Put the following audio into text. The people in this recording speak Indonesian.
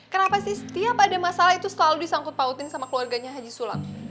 kenapa sih setiap ada masalah itu selalu disangkut pautin sama keluarganya haji sulat